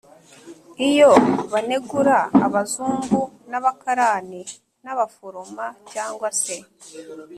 iyo banegura abazungu n' abakarani n' abaforoma; cyangwa se